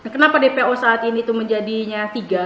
kenapa dpo saat ini itu menjadinya tiga